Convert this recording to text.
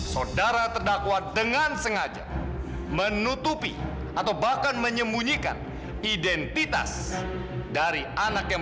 saudara terdakwa dengan sengaja menutupi atau bahkan menyembunyikan identitas dari anak yang